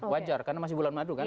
wajar karena masih bulan madu kan